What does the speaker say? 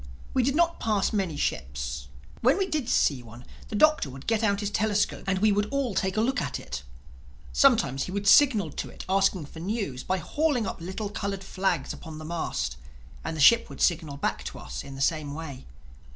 We did not pass many ships. When we did see one, the Doctor would get out his telescope and we would all take a look at it. Sometimes he would signal to it, asking for news, by hauling up little colored flags upon the mast; and the ship would signal back to us in the same way.